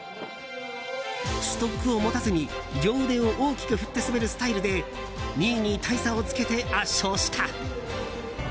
ストックを持たずに両腕を大きく振って滑るスタイルで２位に大差をつけて圧勝した。